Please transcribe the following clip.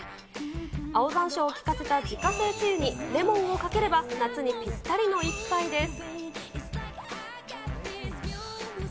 青ざんしょうを効かせた自家製つゆにレモンをかければ、夏にぴったりの一杯です。